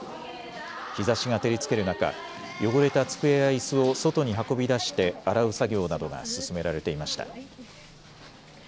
日ざしが照りつける中、汚れた机やいすを外に運び出しして洗う作業などが進められていました。